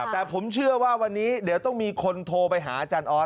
แต่ผมเชื่อว่าวันนี้เดี๋ยวต้องมีคนโทรไปหาอาจารย์ออส